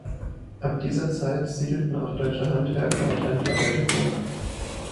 Ab dieser Zeit siedelten auch deutsche Handwerker und Händler bei der Burg.